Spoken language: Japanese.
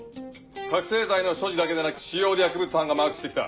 覚醒剤の所持だけでなく使用で薬物班がマークして来た。